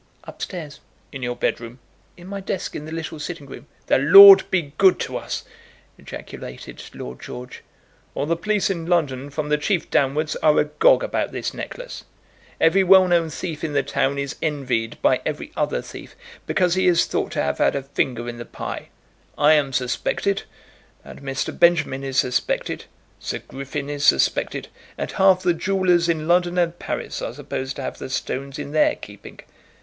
"Up stairs." "In your bed room?" "In my desk in the little sitting room." "The Lord be good to us!" ejaculated Lord George. "All the police in London, from the chief downwards, are agog about this necklace. Every well known thief in the town is envied by every other thief because he is thought to have had a finger in the pie. I am suspected, and Mr. Benjamin is suspected; Sir Griffin is suspected, and half the jewellers in London and Paris are supposed to have the stones in their keeping.